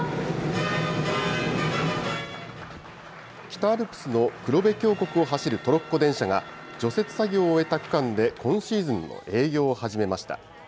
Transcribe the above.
北アルプスの黒部峡谷を走るトロッコ電車が、除雪作業を終えた区間で今シーズンの営業を始めました。